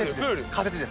仮設です。